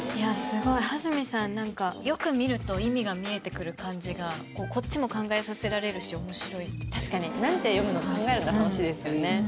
スゴい蓮見さん何かよく見ると意味が見えてくる感じがこっちも考えさせられるし面白い確かに何て読むのか考えると楽しいですよね